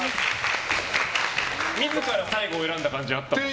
自ら最後を選んだ感じあったよね。